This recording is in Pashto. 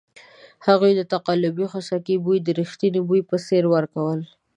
هغوی د تقلبي خوسکي بوی د ریښتني بوی په څېر ورکول.